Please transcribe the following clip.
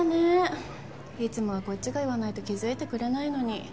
いつもはこっちが言わないと気づいてくれないのに。